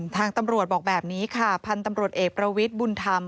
ทางตำรวจบอกแบบนี้ค่ะพันธุ์ตำรวจเอกประวิทย์บุญธรรม